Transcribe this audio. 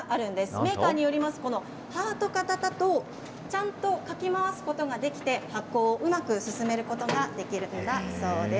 メーカーによりますと、ハート形だとちゃんとかき回すことができて発酵をうまく進めることができるんだそうです。